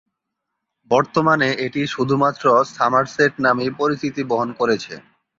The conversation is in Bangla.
বর্তমানে এটি শুধুমাত্র "সমারসেট" নামেই পরিচিতি বহন করছে।